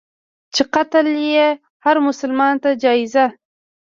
چي قتل یې هرمسلمان ته جایز.